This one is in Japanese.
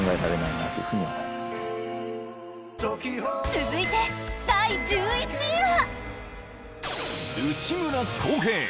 続いて第１１位は？